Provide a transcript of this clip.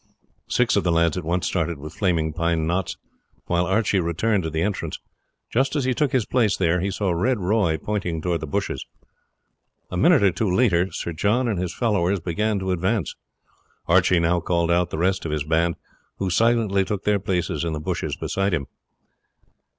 Six of the lads at once started with flaming pine knots, while Archie returned to the entrance. Just as he took his place there he saw Red Roy pointing towards the bushes. A minute or two later Sir John and his followers began to advance. Archie now called out the rest of his band, who silently took their places in the bushes beside him.